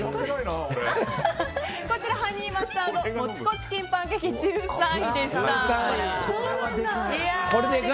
こちらハニーマスタードモチコチキンパンケーキ１３位でした。